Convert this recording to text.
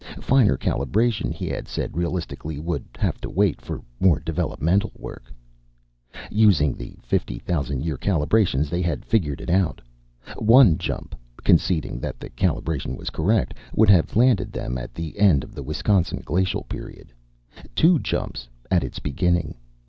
Finer calibration, he had said realistically, would have to wait for more developmental work. Using the 50,000 year calibrations, they had figured it out. One jump (conceding that the calibration was correct) would have landed them at the end of the Wisconsin glacial period; two jumps, at its beginning.